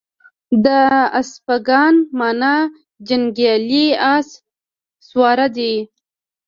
د اسپاگان مانا جنگيالي اس سواره دي